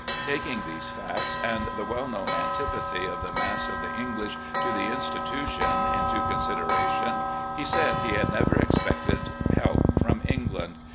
Taking these facts and the well known antipathy of the mass of the English to the institution into consideration, he said he had never expected help from England.